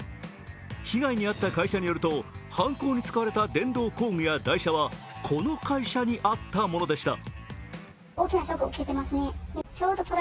被害に遭った会社によると犯行に使われた電動工具や台車はこの会社にあったものでした。